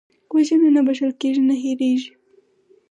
وژنه نه بښل کېږي، نه هېرېږي